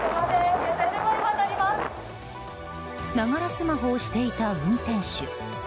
ながらスマホをしていた運転手。